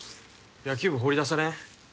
野球部放り出されん？